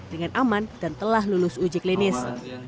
dengan aman dan telah lulus uji klinis